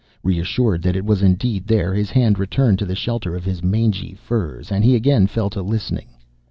Reassured that it was indeed there, his hand returned to the shelter of his mangy furs, and he again fell to listening.